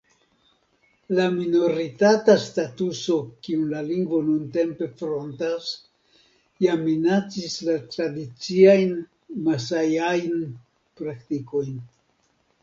La minoritata statuso kiun la lingvo nuntempe frontas jam minacis la tradiciajn masajajn praktikojn.